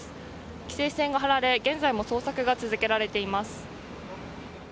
規制線が張られ現在も捜索が続けられています。